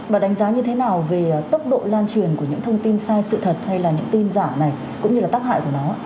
bà đánh giá như thế nào về tốc độ lan truyền của những thông tin sai sự thật hay là những tin giả này cũng như là tác hại của nó